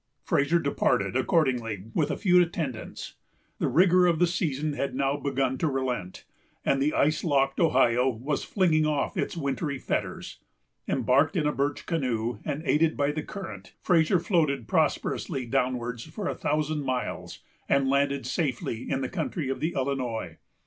Fraser departed, accordingly, with a few attendants. The rigor of the season had now begun to relent, and the ice locked Ohio was flinging off its wintry fetters. Embarked in a birch canoe, and aided by the current, Fraser floated prosperously downwards for a thousand miles, and landed safely in the country of the Illinois.